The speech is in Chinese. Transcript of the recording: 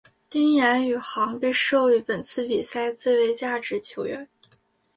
丁彦雨航被授予本次比赛最有价值球员。